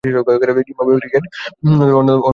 Zimbabwe cricket দলের অন্যতম সদস্য ছিলেন তিনি।